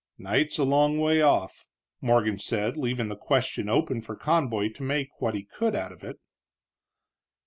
"Night's a long way off," Morgan said, leaving the question open for Conboy to make what he could out of it.